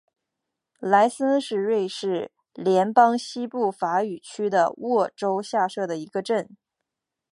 莱森是瑞士联邦西部法语区的沃州下设的一个镇。